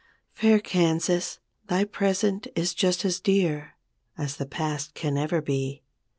Fair Kansas! thy present is just as dear As the past can ever be.